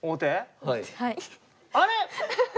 あれ？